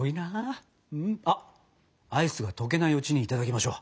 あっアイスが溶けないうちにいただきましょう。